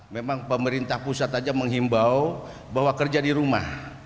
memang pemerintah pusat saja menghimbau bahwa kerja di rumah